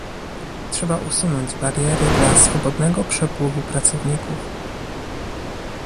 Trzeba usunąć bariery dla swobodnego przepływu pracowników